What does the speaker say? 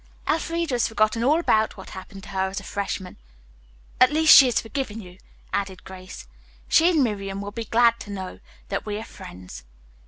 "Elfreda has forgotten all about what happened to her as a freshman. At least she has forgiven you," added Grace. "She and Miriam will be glad to know that we are friends."